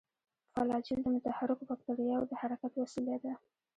فلاجیل د متحرکو باکتریاوو د حرکت وسیله ده.